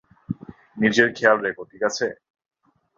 নিজের খেয়াল রেখো, ঠিক আছে?